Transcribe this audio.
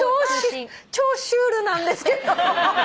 超シュールなんですけど！